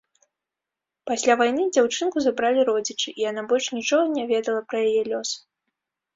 Пасля вайны дзяўчынку забралі родзічы, і яна больш нічога не ведала пра яе лёс.